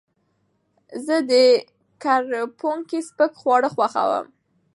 زه د کرپونکي سپک خواړه خوښوم.